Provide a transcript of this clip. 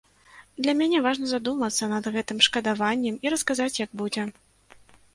Для мяне важна задумацца над гэтым шкадаваннем і расказаць, як будзе.